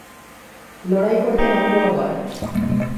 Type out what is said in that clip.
লড়াই করতে নামবো আবার